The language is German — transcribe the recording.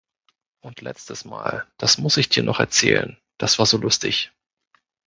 Und letztes Mal, das muss ich dir noch erzählen, das war so lustig!